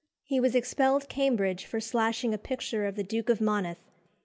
He was expelled Cambridge for slashing a picture of the Duke of Monmouth.